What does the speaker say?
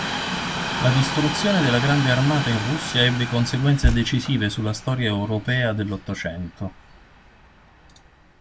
La distruzione della Grande Armata in Russia ebbe conseguenze decisive sulla storia europea dell'Ottocento.